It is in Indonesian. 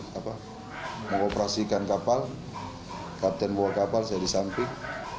saya mengoperasikan kapal kapten bawa kapal saya di samping